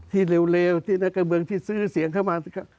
เร็วที่นักการเมืองที่ซื้อเสียงเข้ามา